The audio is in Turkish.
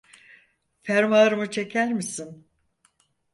Fermuarımı çeker misin?